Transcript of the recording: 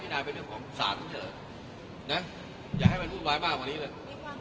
ไม่ได้เป็นเรื่องของภาษานี้เฉยอย่าให้มันรุนวายมากกว่านี้เลย